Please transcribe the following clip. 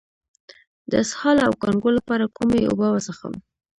د اسهال او کانګو لپاره کومې اوبه وڅښم؟